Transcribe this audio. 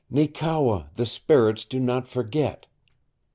"Neekewa, the spirits do not forget.